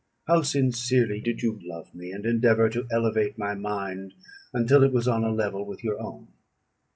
how sincerely did you love me, and endeavour to elevate my mind until it was on a level with your own!